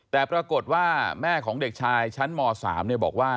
แต่ปรากฏว่าแม่ของเด็กชายชั้นม๓บอกว่า